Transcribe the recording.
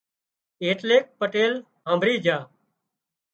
ايٽليڪ پٽيل هامڀۯي جھا